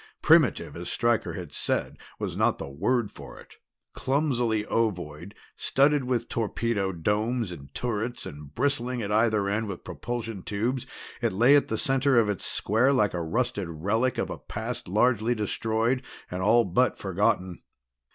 Primitive, as Stryker had said, was not the word for it: clumsily ovoid, studded with torpedo domes and turrets and bristling at either end with propulsion tubes, it lay at the center of its square like a rusted relic of a past largely destroyed and all but forgotten.